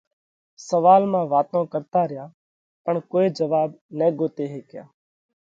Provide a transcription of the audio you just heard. سوئال مانه واتون ڪرتا ريا پڻ ڪوئي جواٻ نہ ڳوتي هيڪيا۔